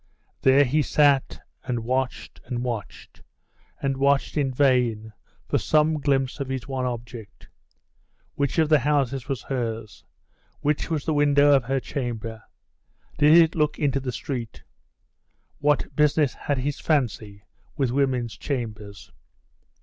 There he sat and watched, and watched, and watched in vain for some glimpse of his one object. Which of the houses was hers? Which was the window of her chamber! Did it look into the street? What business had his fancy with woman's chambers?....